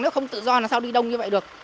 nó không tự do là sao đi đông như vậy được